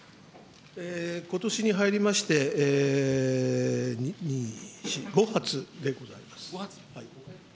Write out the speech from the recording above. ことしに入りまして、２、４、５発でございます。